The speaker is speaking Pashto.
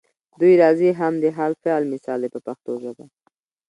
دوی راځي هم د حال فعل مثال دی په پښتو ژبه.